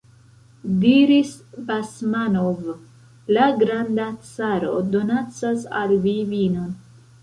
diris Basmanov: la granda caro donacas al vi vinon!